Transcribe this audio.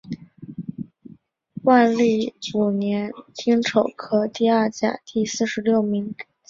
万历五年丁丑科第二甲第四十六名进士。